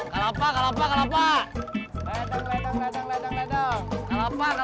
kalau bapak yak bath